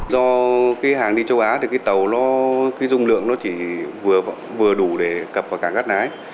do cái hàng đi châu á thì cái tàu nó cái dung lượng nó chỉ vừa đủ để cập vào cảng gắt lái